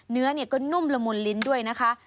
เนื้อก็นุ่มละมุนลิ้นด้วยนะคะ